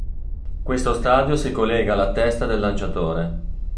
Questo stadio si collega alla testa del lanciatore.